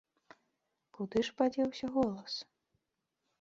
Куды ж падзеўся голас?